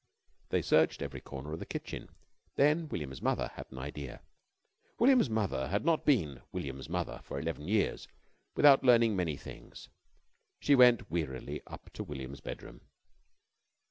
They searched every corner of the kitchen, then William's mother had an idea. William's mother had not been William's mother for eleven years without learning many things. She went wearily up to William's bedroom.